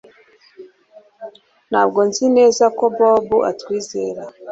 Ntabwo nzi neza ko Bobo atwizera